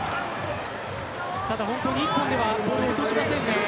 ただ１本ではボールを落としません。